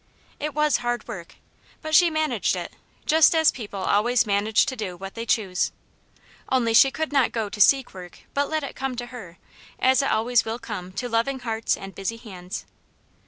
It was hard work, but she managed it, just as people always manage to do what they choose. Only she could not go to seek work, but let it come to her, as It always will come to loving hearts and busy hands.